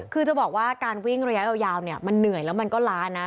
คือจะบอกว่าการวิ่งระยะยาวเนี่ยมันเหนื่อยแล้วมันก็ล้านะ